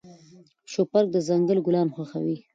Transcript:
شوپرک د ځنګل ګلان خوښوي.